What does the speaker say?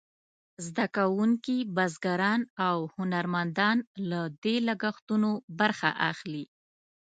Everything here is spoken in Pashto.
زده کوونکي، بزګران او هنرمندان له دې لګښتونو برخه اخلي.